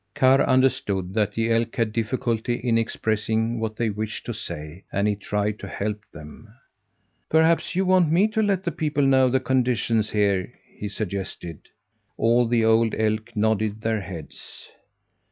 Karr understood that the elk had difficulty in expressing what they wished to say, and he tried to help them. "Perhaps you want me to let the people know the conditions here?" he suggested. All the old elk nodded their heads.